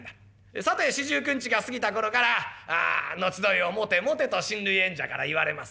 さて四十九日が過ぎた頃から後添えを持て持てと親類縁者から言われます。